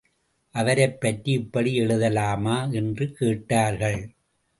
அவரைப் பற்றி இப்படி எழுதலாமா? என்று கேட்டார்கள்.